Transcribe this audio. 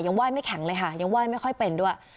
ยังว่ายไม่แข็งเลยค่ะยังว่ายไม่ค่อยเป็นด้วย